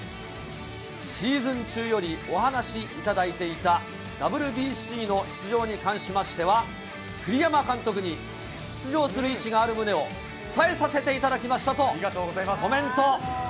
シーズン中よりお話しいただいていたＷＢＣの出場に関しましては、栗山監督に出場する意思がある旨を伝えさせていただきましたとコメント。